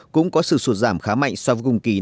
cũng có sự sụt giảm khá mạnh so với cùng kỳ năm trước